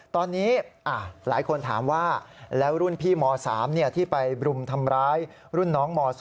ตอนนี้หลายคนถามว่าแล้วรุ่นพี่ม๓ที่ไปรุมทำร้ายรุ่นน้องม๒